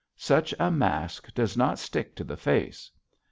Such a mask does not stick to the face.